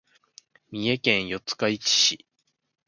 三重県四日市市